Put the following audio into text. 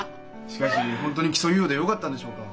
しかし本当に起訴猶予でよかったんでしょうか？